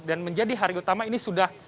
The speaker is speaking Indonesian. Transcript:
dan menjadi hari utama ini sudah